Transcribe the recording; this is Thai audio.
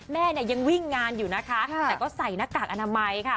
แม่เนี่ยยังวิ่งงานอยู่นะคะแต่ก็ใส่หน้ากากอนามัยค่ะ